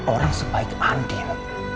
orang sebaik andin